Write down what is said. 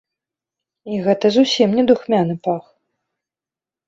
І гэта зусім не духмяны пах.